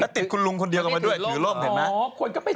ติดคุณลุงคนเดียวกันไปด้วยถือร่มเห็นไหม